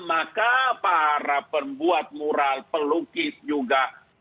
maka para pembuat mural pelukis juga